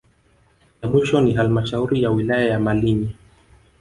Ya mwisho ni halmashauri ya wilaya ya Malinyi